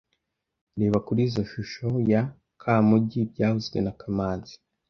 Reba kuri izoi shusho ya Kamugi byavuzwe na kamanzi